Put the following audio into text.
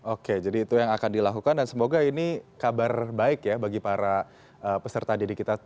oke jadi itu yang akan dilakukan dan semoga ini kabar baik ya bagi para peserta didik kita